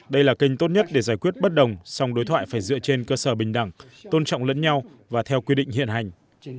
đây là kênh tốt nhất để giải quyết bất đồng song đối thoại phải dựa trên cơ sở bình đẳng tôn trọng lẫn nhau và theo quy định hiện hành